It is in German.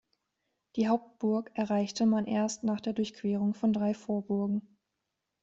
Die Hauptburg erreichte man erst nach der Durchquerung von drei Vorburgen.